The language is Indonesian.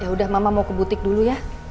ya udah mama mau ke butik dulu ya